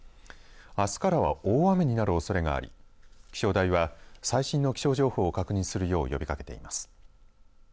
あすからは大雨になるおそれがあり気象台は最新の気象情報を確認するよう呼びかけています。